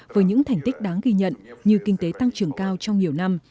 với những thành tích đáng ghi nhận như kinh tế tăng trưởng cao trong nhiều năm